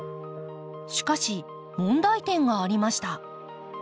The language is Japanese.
しかし問題点がありました。